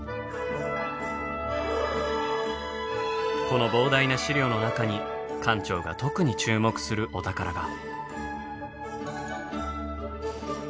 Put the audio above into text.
この膨大な資料の中に館長が特に注目するお宝が。